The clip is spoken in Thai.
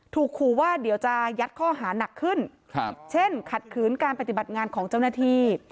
ถูกขู่ว่าเดี๋ยวจะยัดข้อหานักขึ้นเช่นขัดขืนการปฏิบัติงานของเจ้าหน้าที่